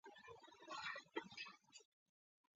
乾隆十六年二月降为四等侍卫。